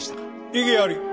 異議あり！